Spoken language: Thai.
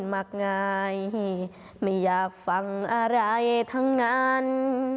ไม่อยากฟังอะไรทั้งนั้น